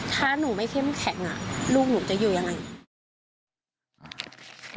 ถ้าหนูไม่เข้มแข็งลูกหนูจะอยู่ยังไง